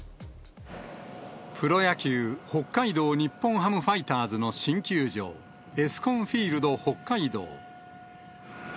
プロ野球・北海道日本ハムファイターズの新球場、エスコンフィールドホッカイドウ。